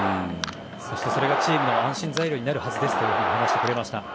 そして、それがチームの安心材料になるはずですと話していました。